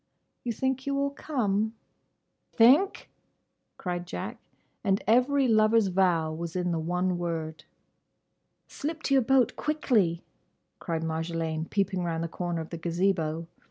"You think you will come?" "Think!" cried Jack; and every lover's vow was in the one word. "Slip to your boat, quickly!" cried Marjolaine, peeping round the corner of the Gazebo.